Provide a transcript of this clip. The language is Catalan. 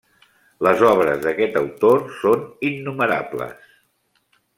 Les obres d'aquest autor són innumerables.